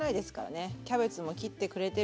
キャベツも切ってくれてる。